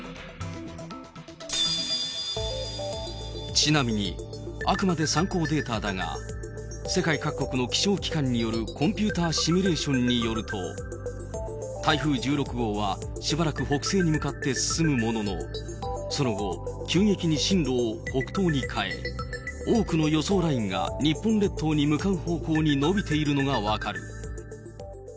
ちなみに、あくまで参考データだが、世界各国の気象機関によるコンピューターシミュレーションによると、台風１６号は、しばらく北西に向かって進むものの、その後、急激に進路を北東に変え、多くの予想ラインが日本列島に向かう方向に延びているのが分かる。